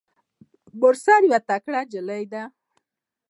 مرسل یوه تکړه نجلۍ ده.